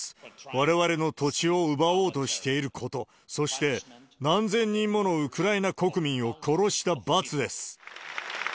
われわれの土地を奪おうとしていること、そして、何千人ものウクライナ国民を殺した罰です。